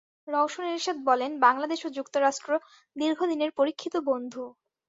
রওশন এরশাদ বলেন, বাংলাদেশ ও যুক্তরাষ্ট্র দীর্ঘদিনের পরীক্ষিত বন্ধু।